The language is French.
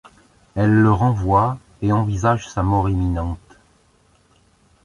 Elle le renvoie et envisage sa mort imminente.